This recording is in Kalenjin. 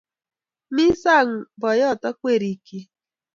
Mi sang' boyot ak werikyik.